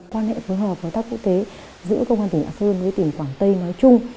quan hệ phối hợp hợp tác quốc tế giữa công an tỉnh lạng sơn với tỉnh quảng tây nói chung